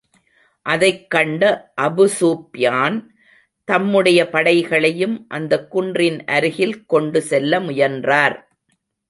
அதைக் கண்ட அபூஸூப்யான் தம்முடைய படைகளையும், அந்தக் குன்றின் அருகில் கொண்டு செல்ல முயன்றார்.